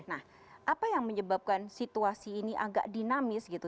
nah apa yang menyebabkan situasi ini agak dinamis gitu